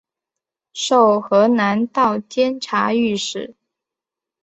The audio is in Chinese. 授河南道监察御史。